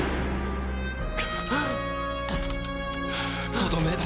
とどめだ。